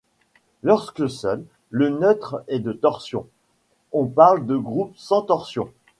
Lorsque seul le neutre est de torsion, on parle de groupe sans torsion.